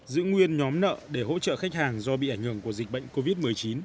giữ nguyên nhóm nợ để hỗ trợ khách hàng do bị ảnh hưởng của dịch bệnh covid một mươi chín